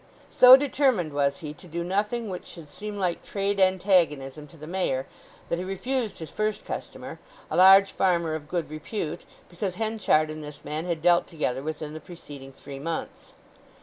So determined was he to do nothing which should seem like trade antagonism to the Mayor that he refused his first customer—a large farmer of good repute—because Henchard and this man had dealt together within the preceding three months.